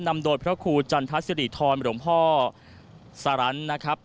นำโดดพระครูจันทัศน์ศิริทรมาดวงพ่อสารัญนะครับ